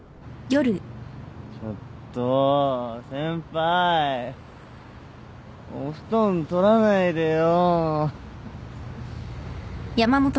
ちょっと先輩お布団取らないでよ。